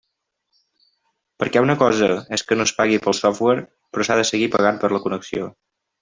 Perquè una cosa és que no es pagui pel software, però s'ha de seguir pagant per la connexió.